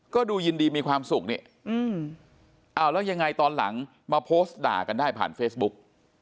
ก็ดูยินดีมีความสุขนี่เอาแล้วยังไงตอนหลังมาโพสต์ด่ากันได้ผ่านเฟซบุ๊ก